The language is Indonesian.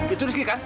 itu rizky kan